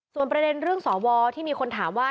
ส่วนประเด็นเรื่องสวที่มีคนถามว่า